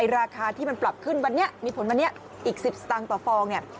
ราคาที่มันปรับขึ้นวันนี้มีผลวันนี้อีก๑๐สตางค์ต่อฟองเนี่ย